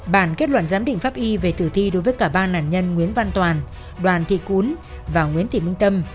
bản kết luận giám định pháp y về tử thi đối với cả ba nạn nhân nguyễn văn toàn đoàn thị cún và nguyễn thị minh tâm